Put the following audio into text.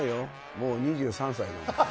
もう２３歳だもん。